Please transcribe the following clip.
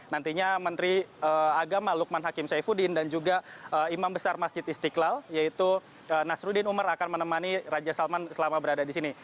nantinya menteri agama lukman hakim saifuddin dan juga imam besar masjid istiqlal yaitu nasruddin umar akan menemani raja salman selama berada di sini